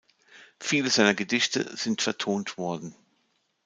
Viele seiner Gedichte sind vertont worden.